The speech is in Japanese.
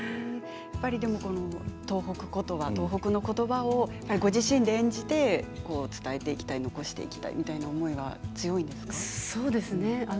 東北のことばをご自身で演じて伝えていきたい残していきたいみたいな思いは強いですか？